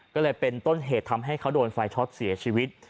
ก็เลยเป็นต้นเหตุทำให้เขาโดนไฟช็อตเสียชีวิต